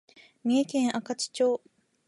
三重県明和町